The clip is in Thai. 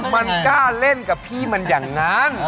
มันกล้าเล่นกับพี่มันอย่างนั้น